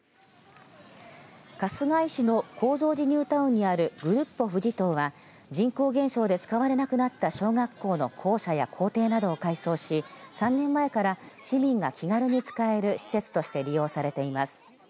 春日井市の高蔵寺ニュータウンにあるグルッポふじとうは人口減少で使われなくなった小学校の校舎や校庭などを改装し３年前から市民が気軽に使える施設として利用されています。